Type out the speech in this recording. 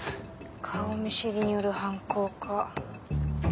顔見知りによる犯行か。